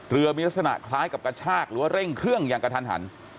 ลักษณะมีลักษณะคล้ายกับกระชากหรือว่าเร่งเครื่องอย่างกระทันหัน